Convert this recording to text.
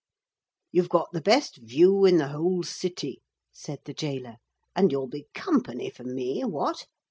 'You've got the best view in the whole city,' said the gaoler, 'and you'll be company for me. What?